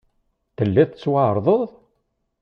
Telliḍ tettwaɛerḍeḍ?